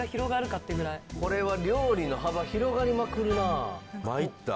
これは料理の幅広がりまくるなあ。